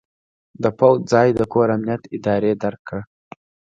د پوځ ځای د کور امنیت ادارې ډک کړ.